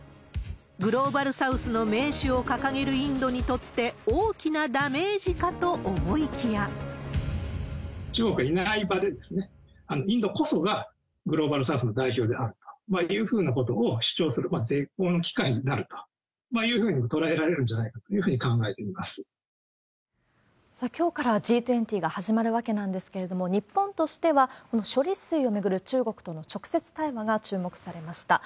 グローバルサウスの盟主を掲げるインドにとって、大きなダメージ中国がいない場で、インドこそがグローバルサウスの代表であるというふうなことを主張する絶好の機会になるというふうにも捉えられるんじゃないかとさあ、きょうからＧ２０が始まるわけなんですけれども、日本としては、この処理水を巡る中国との直接対話が注目されました。